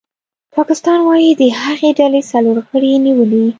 پاکستان وايي د هغې ډلې څلور غړي یې نیولي